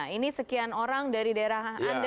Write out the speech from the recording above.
ini sekian orang dari daerah anda